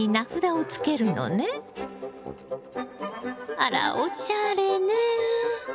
あらおしゃれね。